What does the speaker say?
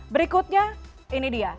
berikutnya ini dia